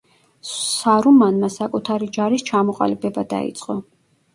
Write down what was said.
სარუმანმა საკუთარი ჯარის ჩამოყალიბება დაიწყო.